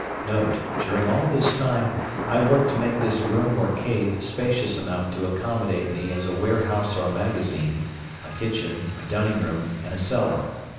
Note.—During all this time I worked to make this room or cave spacious enough to accommodate me as a warehouse or magazine, a kitchen, a dining room, and a cellar.